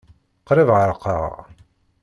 Qrib ɣerqeɣ.